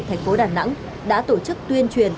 thành phố đà nẵng đã tổ chức tuyên truyền